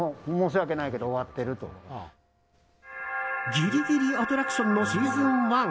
ぎりぎりアトラクション！のシーズン１？